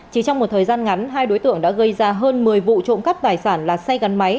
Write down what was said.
chỉ trong một thời gian ngắn hai đối tượng đã gây ra hơn một mươi vụ trộm cắp tài sản là xe gắn máy